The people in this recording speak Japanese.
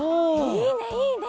いいねいいね！